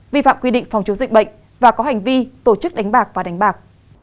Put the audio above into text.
vi phạm quy định phòng chống dịch bệnh và có hành vi tổ chức đánh bạc và đánh bạc